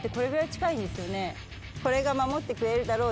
これが守ってくれるだろう